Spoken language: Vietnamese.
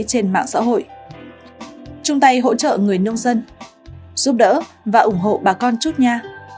trên mạng xã hội chung tay hỗ trợ người nông dân giúp đỡ và ủng hộ bà con chút nhà